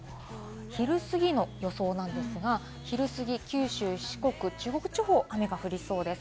昼すぎの予想なんですが、昼すぎ九州・四国・中国地方、雨が降りそうです。